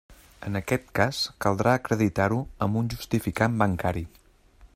En aquest cas, caldrà acreditar-ho amb justificant bancari.